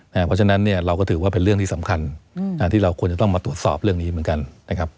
เพราะฉะนั้นเนี่ยเราก็ถือว่าเป็นเรื่องที่สำคัญที่เราควรจะต้องมาตรวจสอบเรื่องนี้เหมือนกันนะครับ